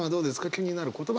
気になる言葉。